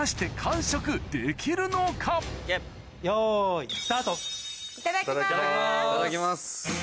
・いただきます。